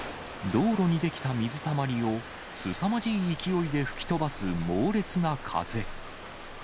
道路に出来た水たまりを、すさまじい勢いで吹き飛ばす猛烈な風。